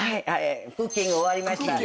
『クッキング』終わりました。